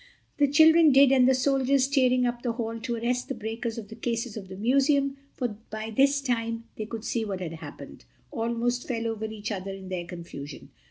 The children did, and the soldiers tearing up the hall to arrest the breakers of the cases of the Museum—for by this time they could see what had happened—almost fell over each other in their confusion.